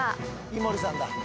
井森さんだ。